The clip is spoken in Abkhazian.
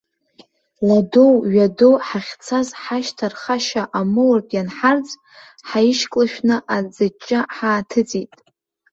Ладоу, ҩадоу ҳахьцаз ҳашьҭа рхашьа амоуртә ианҳарӡ, ҳаишьклашәны аӡыҷҷа ҳааҭыҵит.